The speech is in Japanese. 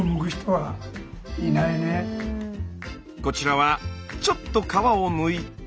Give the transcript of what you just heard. こちらはちょっと皮をむいて。